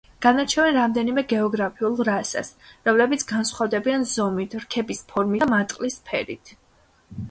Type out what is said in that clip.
განარჩევენ რამდენიმე გეოგრაფიულ რასას, რომლებიც განსხვავდებიან ზომით, რქების ფორმითა და მატყლის ფერით.